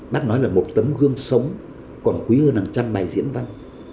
bác nói là một tấm gương sống còn quý hơn hàng trăm bài diễn văn